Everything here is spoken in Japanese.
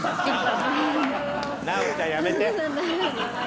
なおちゃんやめて。